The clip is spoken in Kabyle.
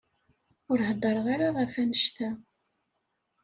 Ur heddṛeɣ ara ɣef annect-a.